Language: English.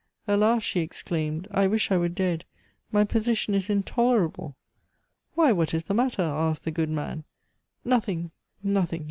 "Alas!" she exclaimed, "I wish I were dead! My position is intolerable..." "Why, what is the matter?" asked the good man. "Nothing, nothing!"